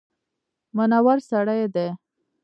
منور سړی دی.